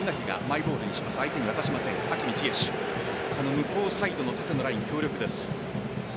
向こうサイドの縦のライン強力です。